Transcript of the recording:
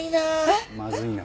まずいな。